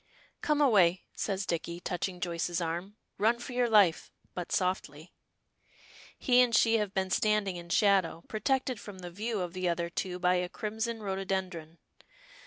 "Come away," says Dicky, touching Joyce's arm. "Run for your life, but softly." He and she have been standing in shadow, protected from the view of the other two by a crimson rhododendron.